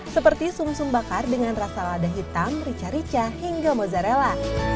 seperti sum sum bakar dengan rasa lada hitam rica rica hingga mozzarella